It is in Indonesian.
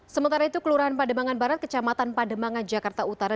sementara itu kelurahan pademangan barat kecamatan pademangan jakarta utara